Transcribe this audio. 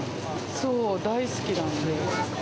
そう、大好きなんで。